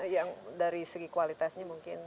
yang dari segi kualitasnya mungkin